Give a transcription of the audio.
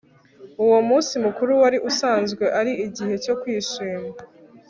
uwo munsi mukuru wari usanzwe ari igihe cyo kwishima